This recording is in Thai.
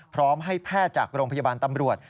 พร้อมให้แพทย์จากโรงพยาบาลตำรวจ